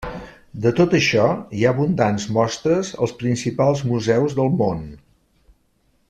De tot això hi ha abundants mostres als principals museus del món.